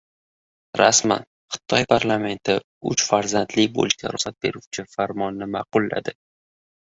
Rasman! Xitoy parlamenti uch farzandli bo‘lishga ruxsat beruvchi farmonni ma’qulladi